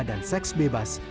dan seks bebas